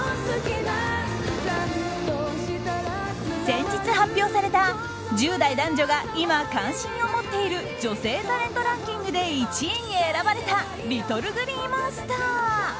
先日、発表された１０代男女が今関心を持っている女性タレントランキングで１位に選ばれたＬｉｔｔｌｅＧｌｅｅＭｏｎｓｔｅｒ。